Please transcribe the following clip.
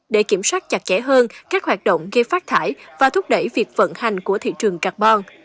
để kiểm soát chặt chẽ hơn các hoạt động gây phát thải và thúc đẩy việc vận hành của thị trường carbon